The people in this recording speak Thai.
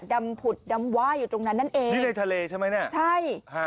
ดำผุดดำว่าอยู่ตรงนั้นนั่นเองนี่ในทะเลใช่ไหมเนี่ยใช่ฮะ